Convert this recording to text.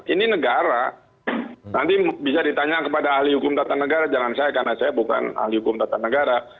ini negara nanti bisa ditanya kepada ahli hukum tata negara jangan saya karena saya bukan ahli hukum tata negara